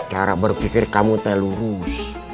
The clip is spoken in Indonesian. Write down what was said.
cara berpikir kamu teh lurus